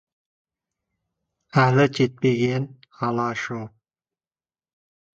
Мал төлімен жарасар, жер гүлімен жарасар.